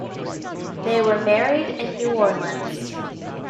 They were married in New Orleans.